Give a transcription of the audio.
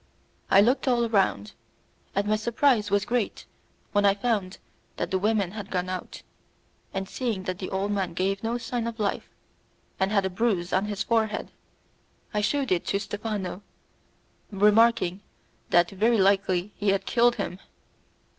I looked all round, and my surprise was great when I found that the women had gone out, and seeing that the old man gave no sign of life, and had a bruise on his forehead, I shewed it to Stephano, remarking that very likely he had killed him.